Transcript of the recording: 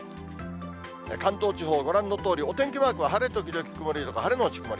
関東地方、ご覧のとおり、お天気マークは晴れ時々曇りとか、晴れ後曇り。